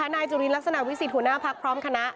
นายจุลินลักษณะวิสิทธิหัวหน้าพักพร้อมคณะ